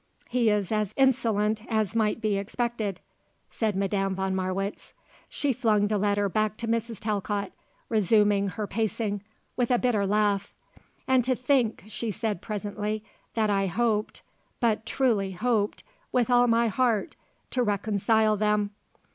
"He is as insolent as might be expected," said Madame von Marwitz. She flung the letter back to Mrs. Talcott, resuming her pacing, with a bitter laugh. "And to think," she said presently, "that I hoped but truly hoped with all my heart to reconcile them!